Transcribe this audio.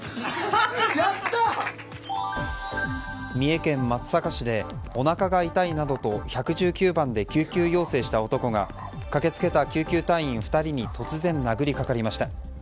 三重県松阪市でおなかが痛いなどと１１９番で救急要請した男が駆けつけた救急隊員２人に突然殴りかかりました。